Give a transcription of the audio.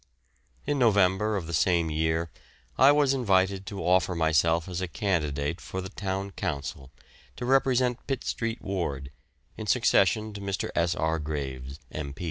In November of the same year I was invited to offer myself as a candidate for the Town Council to represent Pitt Street Ward, in succession to Mr. S. R. Graves, M.